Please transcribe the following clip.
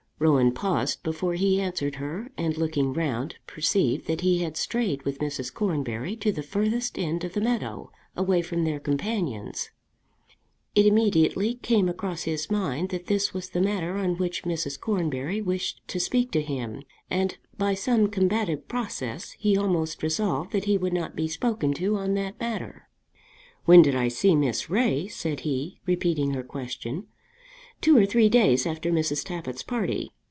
Rowan paused before he answered her, and looking round perceived that he had strayed with Mrs. Cornbury to the furthest end of the meadow, away from their companions. It immediately came across his mind that this was the matter on which Mrs. Cornbury wished to speak to him, and by some combative process he almost resolved that he would not be spoken to on that matter. "When did I see Miss Ray?" said he, repeating her question. "Two or three days after Mrs. Tappitt's party.